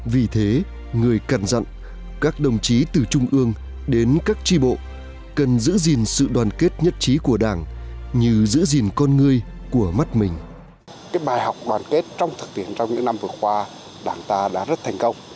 vì thế người cần dặn các đồng chí từ trung ương đến các tri bộ cần giữ gìn sự đoàn kết nhất trí của đảng như giữ gìn con người của mất mình